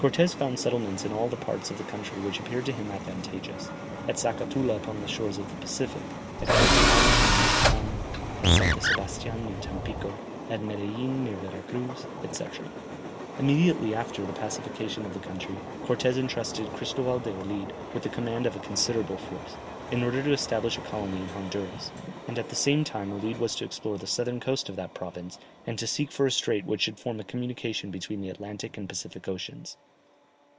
Cortès founded settlements in all the parts of the country which appeared to him advantageous: at Zacatula upon the shores of the Pacific, at Coliman in Mechoacan, at Santesteban near Tampico, at Medellin near Vera Cruz, &c. Immediately after the pacification of the country, Cortès entrusted Christoval de Olid with the command of a considerable force, in order to establish a colony in Honduras, and at the same time Olid was to explore the southern coast of that province, and to seek for a strait which should form a communication between the Atlantic and Pacific Oceans.